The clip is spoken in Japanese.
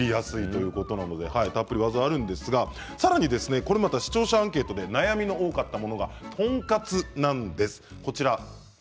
たっぷり技がありますがさらに視聴者アンケートで悩みが多かったものがトンカツなんです。